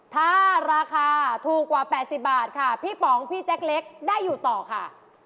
ถ้าราคาถูกกว่า๘๐บาทค่ะพี่ป๋องพี่แจ็คเล็กได้อยู่ต่อค่ะ